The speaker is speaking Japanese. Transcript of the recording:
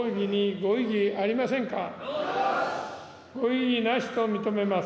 ご異議なしと認めます。